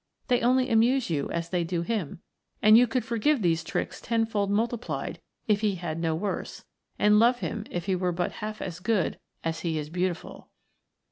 They only amuse you as they do him, and you could forgive these tricks tenfold multiplied if he had no worse, and love him if he were but half as good as he is beautiful.